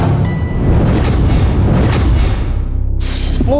ที่เลยเห็น